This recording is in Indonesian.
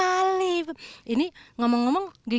selain itu wisata petik apel bisa menambah pendapatan petani